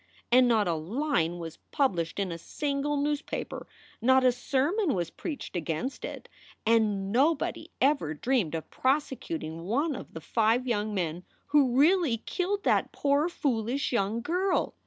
And not a line was published in a single newspaper, not a sermon was preached against it, and nobody ever dreamed of prose cuting one of the five young men who really killed that poor, foolish young girl.